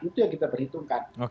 itu yang kita perhitungkan